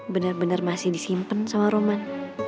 bener bener masih disimpen sama roman